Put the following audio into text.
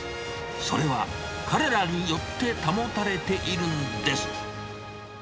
それは、彼らによって保たれているんです。